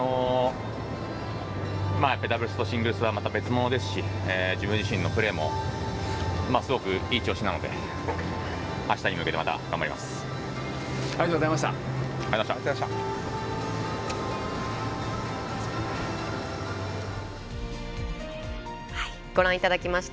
ダブルスとシングルスはまた別物ですし自分自身のプレーもすごくいい調子なのでありがとうございました。